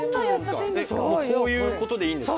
こういうことでいいんですか？